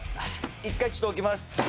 一回ちょっと置きます。